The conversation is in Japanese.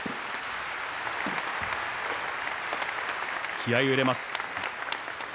気合いを入れます。